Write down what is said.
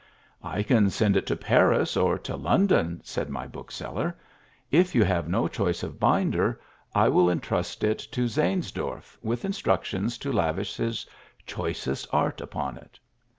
"I can send it to Paris or to London," said my bookseller. "If you have no choice of binder, I will entrust it to Zaehnsdorf with instructions to lavish his choicest art upon it."